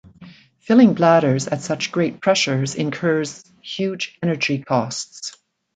Filling bladders at such great pressures incurs huge energy costs.